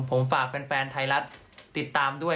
ผมฝากแฟนไทยรัฐติดตามด้วย